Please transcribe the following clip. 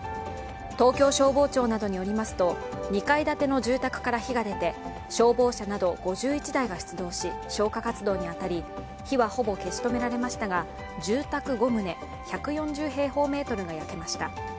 東京消防庁などによりますと２階建ての住宅から火が出て消防車など５１台が出動し消火活動に当たり火はほぼ消し止められましたが、住宅５棟、１４０平方メートルが焼けました。